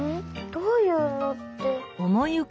どういうのって。